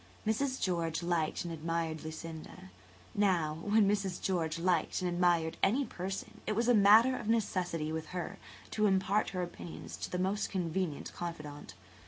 Mrs. George liked and admired Lucinda. Now, when Mrs. George liked and admired any person, it was a matter of necessity with her to impart her opinions to the most convenient confidant.